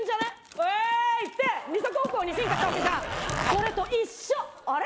うぇいって二足歩行に進化したわけじゃんそれと一緒あれ？